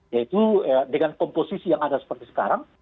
yaitu dengan komposisi yang ada seperti sekarang